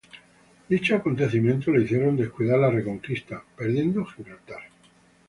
Dichos acontecimientos le hicieron descuidar la Reconquista, perdiendo Gibraltar.